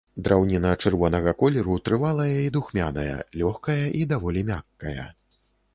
Драўніна чырвонага колеру, трывалая і духмяная, лёгкая і даволі мяккая.